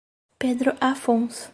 Pedro Afonso